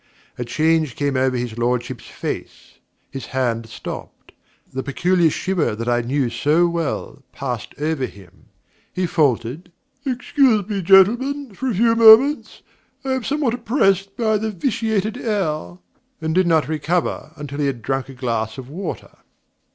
A change came over his Lordship's face; his hand stopped; the peculiar shiver that I knew so well, passed over him; he faltered, 'Excuse me gentlemen, for a few moments. I am somewhat oppressed by the vitiated air;' and did not recover until he had drunk a glass of water.